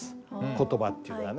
言葉っていうのはね。